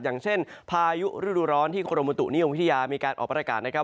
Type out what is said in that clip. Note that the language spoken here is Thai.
อย่างเช่นพายุฤดูร้อนที่กรมบุตุนิยมวิทยามีการออกประกาศนะครับ